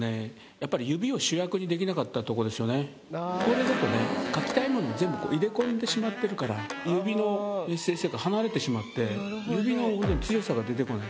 やっぱりこれだとね描きたいもの全部入れ込んでしまってるから指のメッセージ性が離れてしまって指の強さが出てこない。